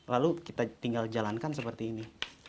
lalu kita tinggal jalankan seperti ini